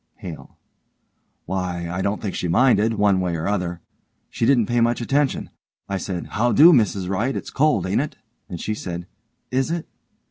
HALE: Why, I don't think she minded one way or other. She didn't pay much attention. I said, 'How do, Mrs Wright it's cold, ain't it?' And she said, 'Is it?'